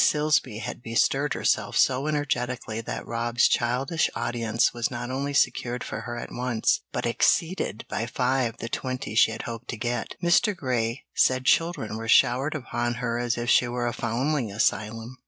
Silsby had bestirred herself so energetically that Rob's childish audience was not only secured for her at once, but exceeded by five the twenty she had hoped to get. Mr. Grey said children were showered upon her as if she were a foundling asylum.